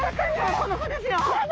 この子ですよ。